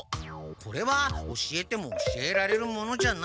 これは教えても教えられるものじゃない。